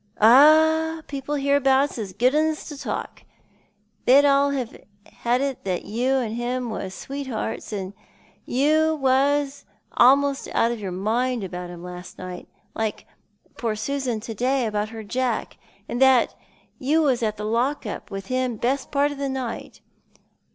"Ah, people hereabouts is good 'uns to talk. They'd all have it as you and him was sweethearts, and you was a'most out of your mind about him last night — like poor Susan to day about her Jack, and that you was at the lock up with him best jiart 0' the night.